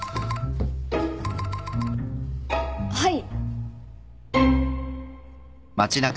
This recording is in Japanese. はい。